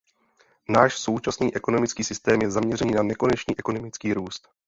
Náš současný ekonomický systém je zaměřený na nekonečný ekonomický růst.